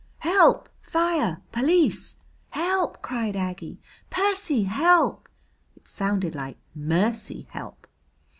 "Help! Fire! Police!" "Help!" cried Aggie. "Percy, help!" It sounded like "Mercy, help!"